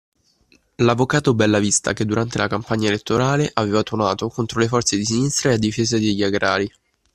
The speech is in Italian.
L'avvocato Bellavista che durante la campagna elettorale aveva tuonato contro le forze di sinistra e a difesa degli agrari.